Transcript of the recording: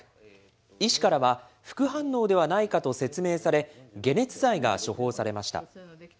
医師からは、副反応ではないかと説明され、解熱剤が処方されました。